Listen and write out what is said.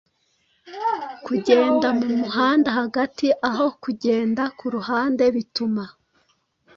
kugenda mu muhanda hagati aho kugenda ku ruhande bituma